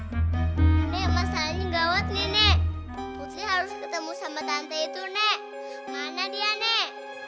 putri harus ketemu sama tante itu nek